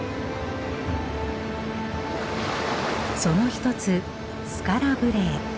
その一つスカラ・ブレエ。